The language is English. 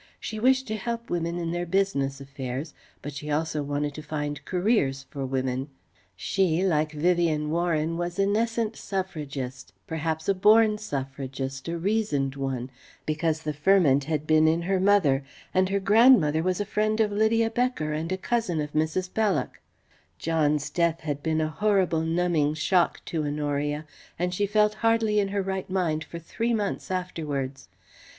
She wished to help women in their business affairs, but she also wanted to find careers for women. She, like Vivien Warren, was a nascent suffragist perhaps a born suffragist, a reasoned one; because the ferment had been in her mother, and her grandmother was a friend of Lydia Becker and a cousin of Mrs. Belloc. John's death had been a horrible numbing shock to Honoria, and she felt hardly in her right mind for three months afterwards.